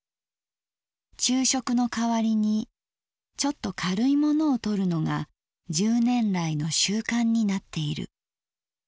「昼食の代わりにちょっとかるいものをとるのが十年来の習慣になっている。